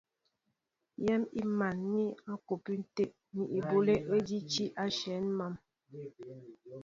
Yɛ̌n i mǎl mi a kwɔmpi tə̂ ni eboló ejí tí áshán nān.